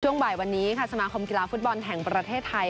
บ่ายวันนี้ค่ะสมาคมกีฬาฟุตบอลแห่งประเทศไทย